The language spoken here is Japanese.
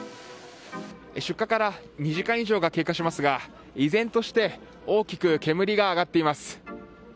出火から２時間以上が経過しますが依然として大きく煙が上がっています。